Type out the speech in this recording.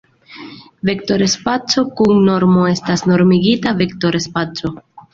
Vektora spaco kun normo estas normigita vektora spaco.